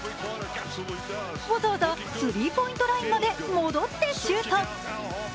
わざわざスリーポイントラインまで戻ってシュート。